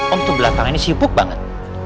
om tuh belakang ini sibuk banget